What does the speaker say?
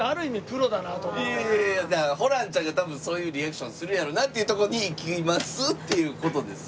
だからホランちゃんが多分そういうリアクションするやろなっていうとこに行きますっていう事です。